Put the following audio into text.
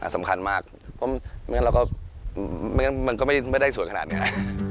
สำคัญมากเพราะมันก็ไม่ได้สวยขนาดนี้